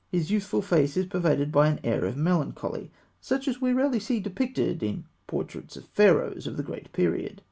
His youthful face is pervaded by an air of melancholy, such as we rarely see depicted in portraits of Pharaohs of the great period.